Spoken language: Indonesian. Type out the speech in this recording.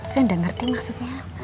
saya gak ngerti maksudnya